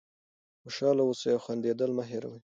خوشحاله اوسئ او خندېدل مه هېروئ.